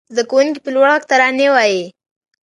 زده کوونکي په لوړ غږ ترانې وايي.